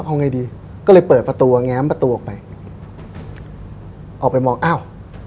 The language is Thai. เอาไงดีก็เลยเปิดประตูแง้มประตูออกไปออกไปมองอ้าว